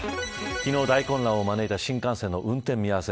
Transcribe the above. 昨日、大混乱を招いた新幹線の運転見合わせ